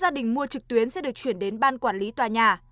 gia đình mua trực tuyến sẽ được chuyển đến ban quản lý tòa nhà